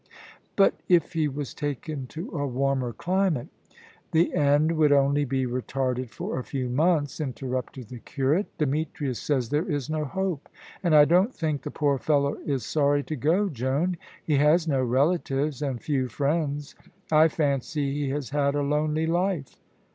"But if he was taken to a warmer climate " "The end would only be retarded for a few months," interrupted the curate. "Demetrius says there is no hope. And I don't think the poor fellow is sorry to go, Joan. He has no relatives, and few friends. I fancy he has had a lonely life."